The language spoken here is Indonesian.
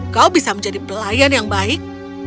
kau bisa menjadi pelayan yang baik